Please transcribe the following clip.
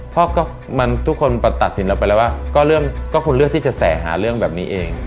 เพราะก็มันทุกคนตัดสินเราไปแล้วว่าก็คุณเลือกที่จะแสหาเรื่องแบบนี้เอง